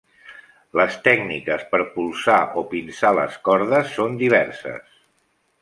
Les tècniques per polsar o pinçar les cordes són diverses.